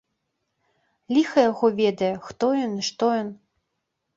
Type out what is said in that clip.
Ліха яго ведае, хто ён і што ён!